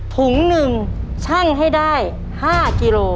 ถุงหนึ่งชั่งให้ได้๕กิโล